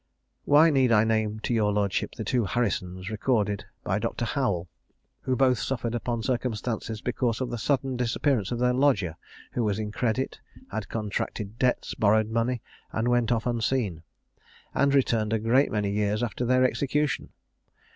Why need I name to your lordship the two Harrisons recorded by Dr. Howel, who both suffered upon circumstances because of the sudden disappearance of their lodger, who was in credit, had contracted debts, borrowed money, and went off unseen, and returned a great many years after their execution?